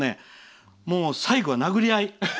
もう、最後は殴り合い。